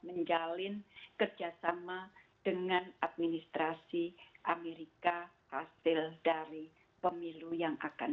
menjalin kerjasama dengan administrasi amerika hasil dari pemilu yang akan